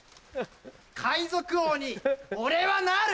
海賊王におれはなる！